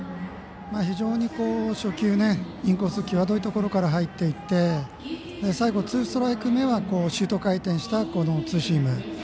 非常に初球インコース際どいところから入っていって最後、ツーストライク目はシュート回転したあとのツーシーム。